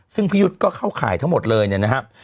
ซึ่งพี่ยุทธ์ก็เข้าข่ายทั้งหมดเลยเนี่ยนะครับ